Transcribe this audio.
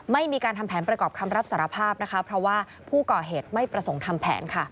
ไม่มีการทำแผนประกอบคำรับสารภาพนะคะเพราะว่าผู้ก่อเหตุไม่ประสงค์ทำแผนค่ะ